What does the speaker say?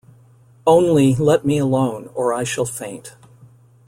Only, let me alone, or I shall faint.